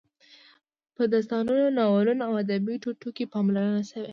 په داستانونو، ناولونو او ادبي ټوټو کې پاملرنه شوې.